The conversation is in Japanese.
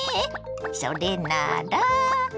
それなら。